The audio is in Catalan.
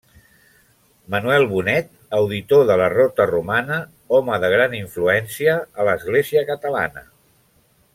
Manuel Bonet, auditor de la Rota Romana, home de gran influència a l'església catalana.